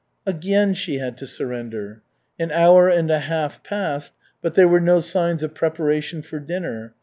Again she had to surrender. An hour and a half passed, but there were no signs of preparation for dinner.